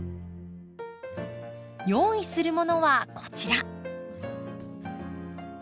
用意するものはこちら。